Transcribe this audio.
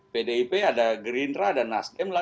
pdip ada greenra ada naskem